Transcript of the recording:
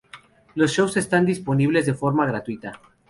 Los shows están disponibles de forma gratuita.